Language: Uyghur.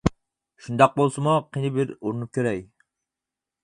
شۇنداق بولسىمۇ قېنى بىر ئۇرۇنۇپ كۆرەي.